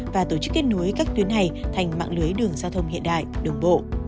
và tổ chức kết nối các tuyến hải thành mạng lưới đường giao thông hiện đại đường bộ